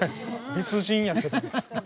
別人やけどって。